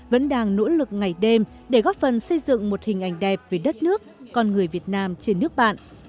vẫn đang nỗ lực ngày đêm để góp phần xây dựng một hình ảnh đẹp về đất nước con người việt nam trên nước bạn